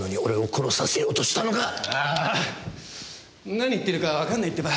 何言ってるかわかんないってば。